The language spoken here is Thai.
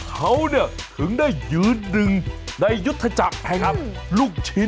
เขาเนี่ยถึงได้ยืนหนึ่งในยุทธจักรแห่งลูกชิ้น